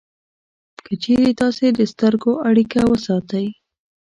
که چېرې تاسې د سترګو اړیکه وساتئ